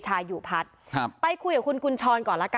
เลิกเลิกเลิกเลิกเลิกเลิกเลิก